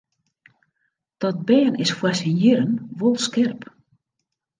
Dat bern is foar syn jierren wol skerp.